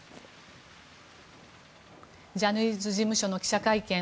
ジャニーズ事務所の記者会見